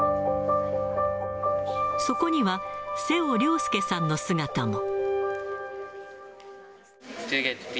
そこには、瀬尾亮介さんの姿も。